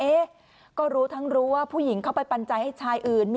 เอ๊ะก็รู้ทั้งรู้ว่าผู้หญิงเข้าไปปัญญาให้ชายอื่น